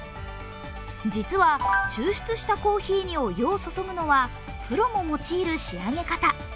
実は抽出したコーヒーにお湯を注ぐのはプロも用いる仕上げ方。